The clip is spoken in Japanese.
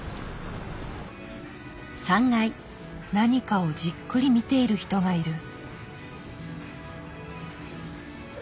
何かをじっくり見ている人がいる。